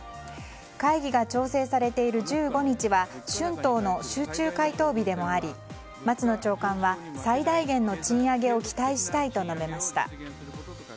会議が調整されている１５日は春闘の集中回答日でもあり松野長官は、最大限の賃上げを期待したいと述べました。